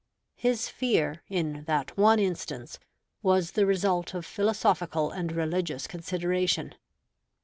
His fear, in that one instance, was the result of philosophical and religious consideration.